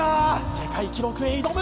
世界記録へ挑む！